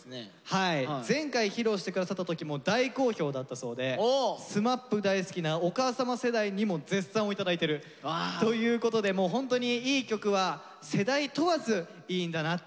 はい前回披露して下さった時も大好評だったそうでＳＭＡＰ大好きなお母様世代にも絶賛を頂いてるということでもうほんとにいい曲は世代問わずいいんだなっていうふうに改めて感じられますよね。